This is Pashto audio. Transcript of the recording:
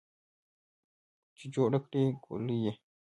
چې جوړه کړې ګولۍ یې